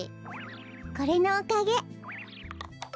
これのおかげ。